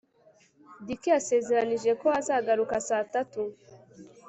dick yasezeranije ko azagaruka saa tatu